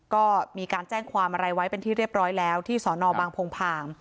ก็มีการแจ้งความอะไรไว้เป็นที่เรียบร้อยแล้วที่สอนอบางพงพาง